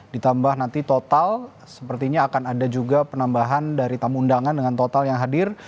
ditambah nanti total sepertinya akan ada juga penambahan dari tamu undangan dengan total yang hadir